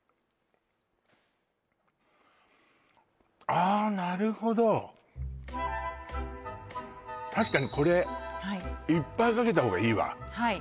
ああなるほど確かにこれいっぱいかけた方がいいわはい